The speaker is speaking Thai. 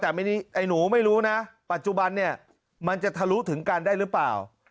แต่ไอ้หนูไม่รู้นะปัจจุบันเนี่ยมันจะทะลุถึงกันได้หรือเปล่า